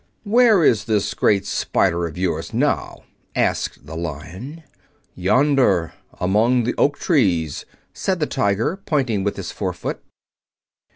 "Where is this great spider of yours now?" asked the Lion. "Yonder, among the oak trees," said the tiger, pointing with his forefoot.